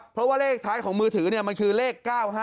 เพราะว่าเลขท้ายของมือถือมันคือเลข๙๕